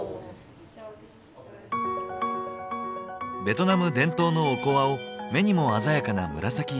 ベトナム伝統のおこわを目にも鮮やかな紫色に。